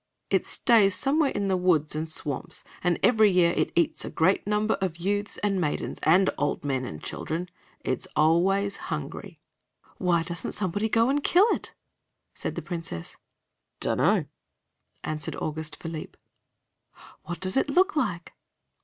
"It stays somewhere in the woods and swamps, and every year it eats a great number of youths and maidens, and old men and children. It's always hungry." "Why doesn't somebody go and kill it?" said the Princess. "Dunno!" answered Auguste Philippe. "What does it look like?"